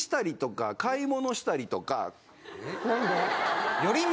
何で？